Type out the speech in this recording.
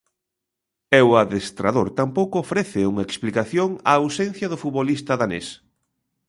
E o adestrador tampouco ofrece unha explicación á ausencia do futbolista danés.